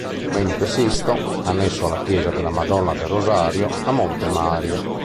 Domenico e Sisto, annesso alla chiesa della Madonna del Rosario, a Monte Mario.